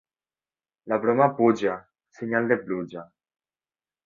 La broma puja, senyal de pluja.